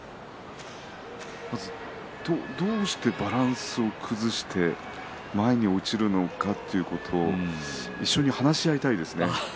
どうしてバランスを崩して前に落ちるのかということを一緒に話し合いたいですね。